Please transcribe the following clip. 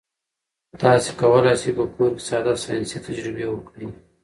تاسي کولای شئ په کور کې ساده ساینسي تجربې وکړئ.